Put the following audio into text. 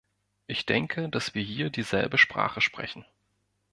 Ich denke, dass wir hier dieselbe Sprache sprechen.